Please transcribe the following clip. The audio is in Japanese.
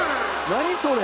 何それ？